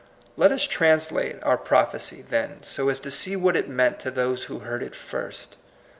Let us translate our proph ecy, then, so as to see what it meant to those who heard it first.